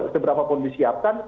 seberapa pun disiapkan